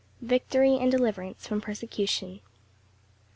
Victory and deliverance from persecution.